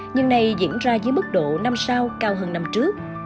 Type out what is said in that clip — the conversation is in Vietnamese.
nhưng này diễn ra dưới mức độ năm sau cao hơn năm trước